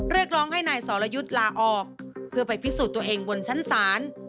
เรียกร้องให้นายสรยุทธ์ลาออกเพื่อไปพิสูจน์ตัวเองบนชั้นศาล